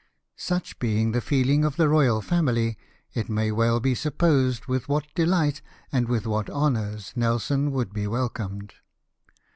Such being the feelings of the royal family, it may well be supposed with what delight, and with what honours. Nelson would be welcomed.